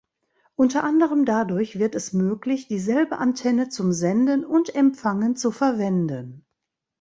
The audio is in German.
Unter anderem dadurch wird es möglich, dieselbe Antenne zum Senden und Empfangen zu verwenden.